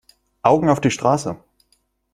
Augen auf die Straße!